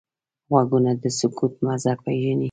غوږونه د سکوت مزه پېژني